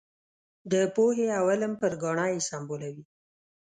د پوهې او علم پر ګاڼه یې سمبالوي.